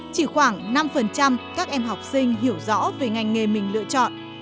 chỉ khoảng năm các em học sinh hiểu rõ về ngành nghề mình lựa chọn